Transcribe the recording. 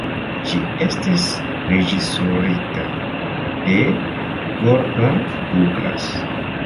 Ĝi estis reĝisorita de Gordon Douglas.